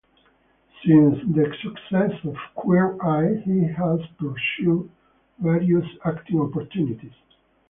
Since the success of "Queer Eye" he has pursued various acting opportunities.